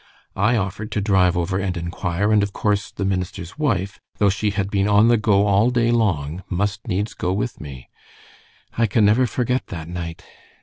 I offered to drive over and inquire, and of course the minister's wife, though she had been on the go all day long, must needs go with me. I can never forget that night.